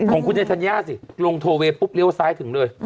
ของกูจะทันยานะสิลงทอเวว์ลิ้วซ้ายถึงเลย